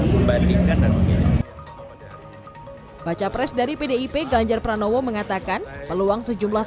membahas peringkat dan pengiriman baca pres dari pdip ganjar pranowo mengatakan peluang sejumlah